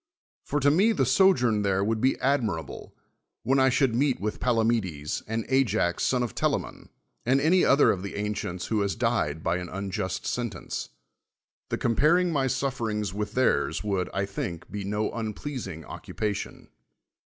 For to me the so journ there A\ou!d be admirable, when I should 1! eet v. ith l^alamedcs, and Ajax son of Tela rnon. ai:d any other of the ancients who has dic d by an unjust sentence. The compai'ing my suf I'ci'ings with theirs would, I think, be no unpleas ing oc< upation.